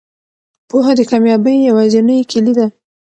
پوهه د کامیابۍ یوازینۍ کیلي ده.